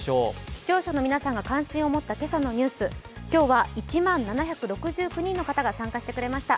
視聴者の皆さんが関心を持った今朝のニュース、今日は１万７６９人の方が参加してくれました。